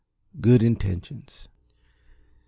Good Intentions. "Mr.